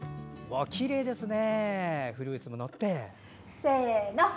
きれいですね！